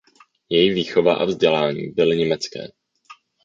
Její výchova a vzdělání byly německé.